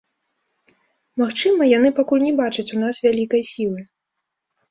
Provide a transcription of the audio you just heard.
Магчыма, яны пакуль не бачаць у нас вялікай сілы.